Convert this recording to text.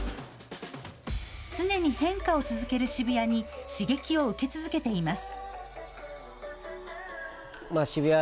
常に変化を続ける渋谷に刺激を受け続けています。